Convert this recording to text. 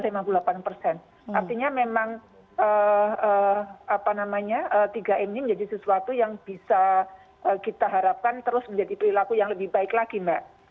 artinya memang tiga m ini menjadi sesuatu yang bisa kita harapkan terus menjadi perilaku yang lebih baik lagi mbak